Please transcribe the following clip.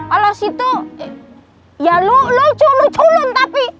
alas itu ya lucu lucu lho tapi